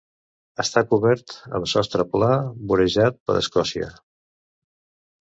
Està cobert amb sostre pla, vorejat per escòcia.